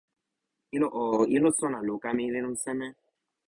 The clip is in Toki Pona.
ilo o, ilo sona luka mi li lon seme?